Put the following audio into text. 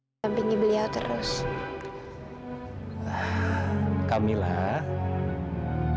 sekarang telfon kamila ya